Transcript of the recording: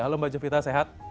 halo mbak jovita sehat